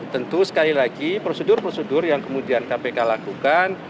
tentu sekali lagi prosedur prosedur yang kemudian kpk lakukan